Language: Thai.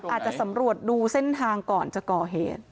อาจจะสำรวจดูเส้นทางก่อนจะก่อเหตุ